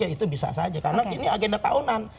ya itu bisa saja karena ini agenda tahunan